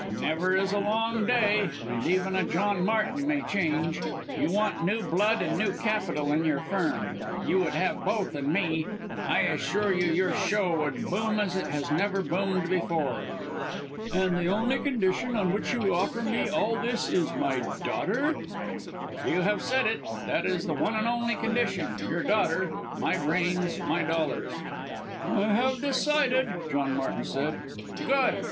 "Never is a long day and even a John Martin may change. You want new blood and new capital in your Firm you would have both in me. I assure you your show would boom as it has never boomed before!" "And the only condition on which you offer me all this is my daughter?" "You have said it that is the one and only condition. Your daughter my brains, my dollars." "I have decided!" John Martin said. "Good!"